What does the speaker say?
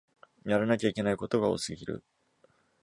やらなきゃいけないことが多すぎる